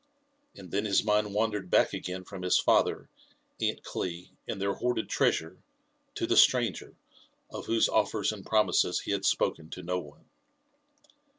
And then his mind wandered back again from his father, Aunt Cli, and their hoarded treasure, to the stranger, of whose offers and promises he had spoken to no one.